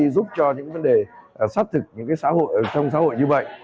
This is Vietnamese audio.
giúp cho những vấn đề xác thực trong xã hội như vậy